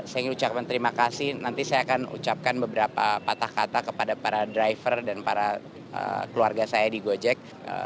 saya ingin ucapkan terima kasih nanti saya akan ucapkan beberapa patah kata kepada para driver dan para keluarga saya di gojek